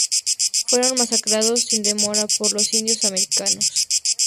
Fueron masacrados sin demora por los indios americanos.